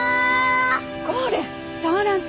これ触らんと。